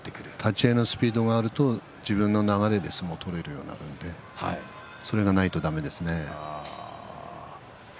立ち合いのスピードが出てくると自分の立ち合いで相撲が取れるのでそれがないとだめですね。